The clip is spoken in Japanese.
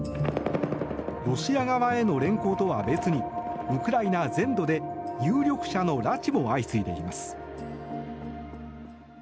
ロシア側への連行とは別にウクライナ全土で有力者の拉致も相次いでいます。